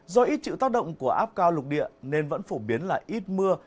do ít chịu tác động của áp cao lục địa nên vẫn phổ biến là ít mưa